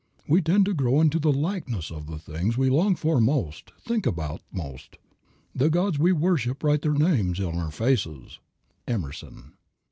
We tend to grow into the likeness of the things we long for most, think about most. The gods we worship write their names on our faces. EMERSON.